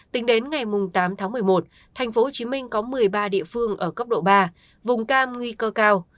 tính đến ngày tám tháng một mươi một tp hcm có một mươi ba địa phương ở cấp độ ba vùng cam nguy cơ cao